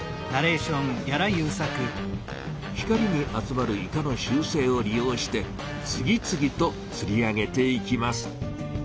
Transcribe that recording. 光に集まるイカの習せいを利用してつぎつぎとつり上げていきます。